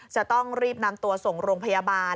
จะต้องรีบนำตัวส่งโรงพยาบาล